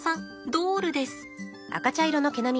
ドールです。